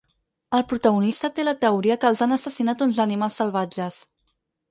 El protagonista té la teoria que els han assassinat uns animals salvatges.